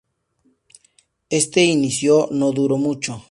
Este inicio no duró mucho.